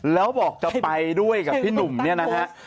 แล้วบอกจะไปด้วยกับพี่หนุ่มเนี่ยนะฮะ